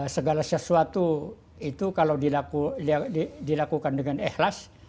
segala sesuatu itu kalau dilakukan dengan ikhlas